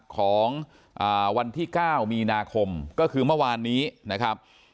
ของวันที่๙มีนาคมก็คือเมื่อวานนี้นะครับ